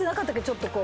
ちょっと。